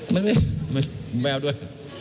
ไม่เอาด้วย